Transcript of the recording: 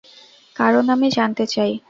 কারণ, আমি জানতে চাই।